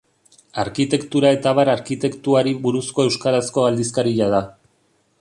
Arkitektura eta abar arkitekturari buruzko euskarazko aldizkaria da.